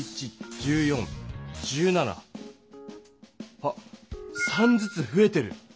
あっ３ずつふえてる。